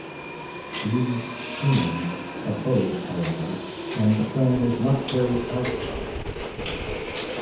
Li Shimin opposed, however, and the plan was not carried out.